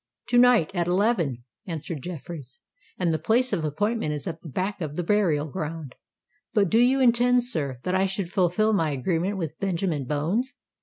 "To night at eleven," answered Jeffreys; "and the place of appointment is at the back of the burial ground. But do you intend, sir, that I should fulfil my agreement with Benjamin Bones?"